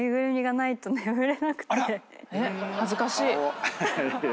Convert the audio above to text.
えっ？恥ずかしい。